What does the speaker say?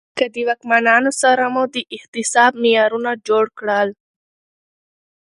که مو د واکمنانو سره د احتساب معیارونه جوړ کړل